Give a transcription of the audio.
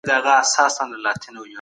تاسو به د هر چا عزت کوئ.